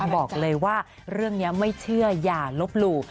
บอกเลยว่าเรื่องนี้ไม่เชื่ออย่าลบหลู่